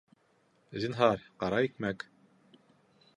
Зинһар, ҡара икмәк